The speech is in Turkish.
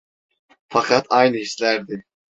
Fakat aynı hislerdi…